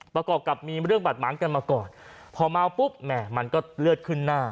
ประกอบกับมีเรื่องบาดหมางกันมาก่อนพอเมาปุ๊บแหม่มันก็เลือดขึ้นหน้า